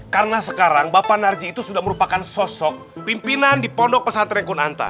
karena sekarang bapak narji itu sudah merupakan sosok pimpinan di pondok pesantren kunanta